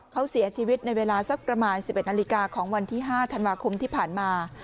เขาเสียชีวิตในเวลาสักประมาณ๑๑นาฬิกาของวันที่๕ธันวาคมที่ผ่านมา